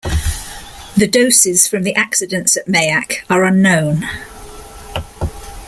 The doses from the accidents at Mayak are unknown.